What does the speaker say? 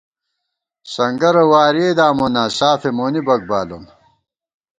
سنگَرہ وارِئےداموناں، سافے مونی بَک بالون